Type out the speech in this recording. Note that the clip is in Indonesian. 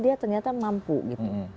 dia ternyata mampu gitu